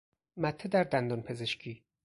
مته در دندان پزشکی